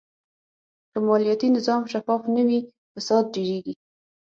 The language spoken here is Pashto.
که مالیاتي نظام شفاف نه وي، فساد ډېرېږي.